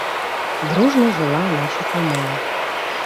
Дружна жыла наша камуна.